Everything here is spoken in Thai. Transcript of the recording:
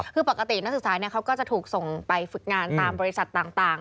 คือปกตินักศึกษาเขาก็จะถูกส่งไปฝึกงานตามบริษัทต่าง